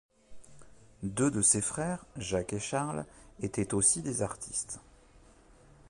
Deux de ses frères, Jacques et Charles, étaient aussi des artistes.